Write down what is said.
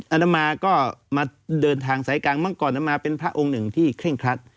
อัตมาก็มาเดินทางใส่กลางอัตมาก็เป็นพระองค์หนึ่งที่เคร่งคัด